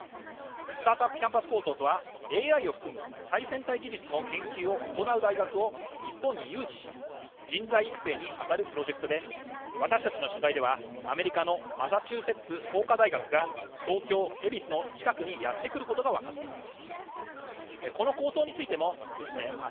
スタートアップ・キャンパス構想とは、ＡＩを含む最先端技術の研究を行う大学を日本に誘致し、人材育成に当たるプロジェクトで、私たちの取材ではアメリカのマサチューセッツ工科大学が、東京・恵比寿の近くにやってくることが分かっています。